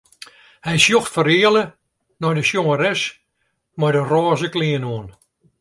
Hy sjocht fereale nei de sjongeres mei de rôze klean oan.